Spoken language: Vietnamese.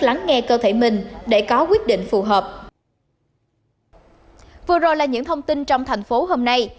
lắng nghe cơ thể mình để có quyết định phù hợp vừa rồi là những thông tin trong thành phố hôm nay